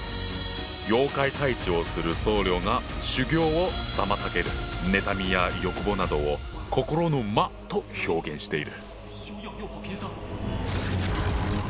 妖怪退治をする僧侶が修行を妨げる妬みや欲望などを心の「魔」と表現している。